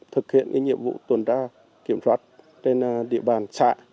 thực hiện nhiệm vụ tuần tra kiểm soát trên địa bàn xã